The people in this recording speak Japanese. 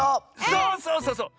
そうそうそうそう！